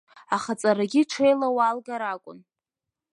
Аха аҵарагьы ҽеила уалгар акәын.